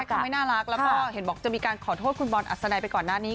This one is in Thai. ก็ไม่น่ารักแล้วก็เห็นบอกจะมีการขอโทษคุณบอลอัศนัยไปก่อนหน้านี้